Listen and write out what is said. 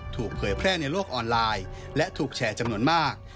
เผยแพร่ในโลกออนไลน์และถูกแชร์จำนวนมาก